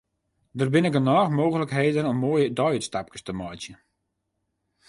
Der binne genôch mooglikheden om moaie deiútstapkes te meitsjen.